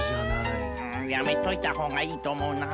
んやめといたほうがいいとおもうな。